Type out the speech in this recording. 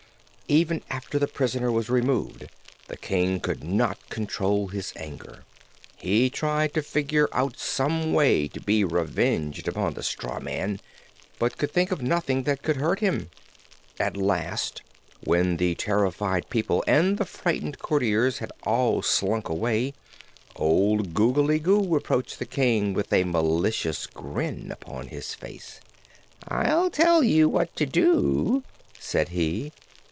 Even after the prisoner was removed the King could not control his anger. He tried to figure out some way to be revenged upon the straw man, but could think of nothing that could hurt him. At last, when the terrified people and the frightened courtiers had all slunk away, old Googly Goo approached the king with a malicious grin upon his face. "I'll tell you what to do," said he.